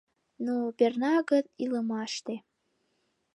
Но перна гын илымаште